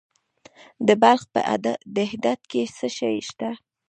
د بلخ په دهدادي کې څه شی شته؟